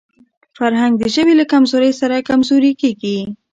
فرهنګ د ژبي له کمزورۍ سره کمزورې کېږي.